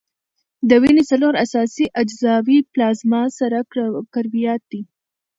د وینې څلور اساسي اجزاوي پلازما، سره کرویات دي.